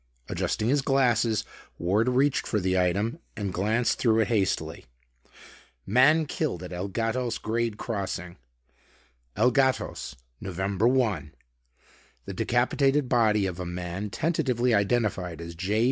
Adjusting his glasses, Ward reached for the item and glanced through it hastily: MAN KILLED AT EL GATOS GRADE CROSSING El Gatos, November 1. The decapitated body of a man tentatively identified as J.